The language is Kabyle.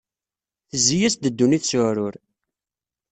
Tezzi-yas-d ddunit s uɛrur.